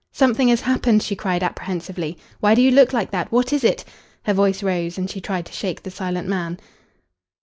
"Something has happened!" she cried apprehensively. "Why do you look like that? What is it?" Her voice rose and she tried to shake the silent man.